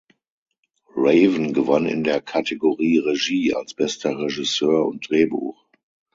Raven gewann in der Kategorie Regie als bester Regisseur und Drehbuch.